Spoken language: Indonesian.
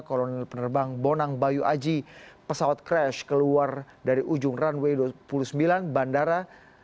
kolonel penerbang bonang bayu aji pesawat crash keluar dari ujung runway dua puluh sembilan bandara